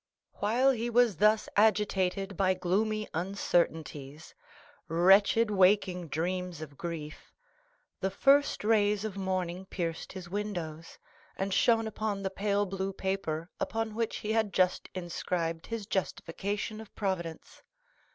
While he was thus agitated by gloomy uncertainties,—wretched waking dreams of grief,—the first rays of morning pierced his windows, and shone upon the pale blue paper on which he had just inscribed his justification of Providence.